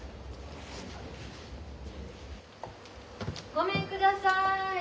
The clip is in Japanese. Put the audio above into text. ごめんください。